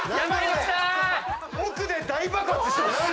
奥で大爆発してます！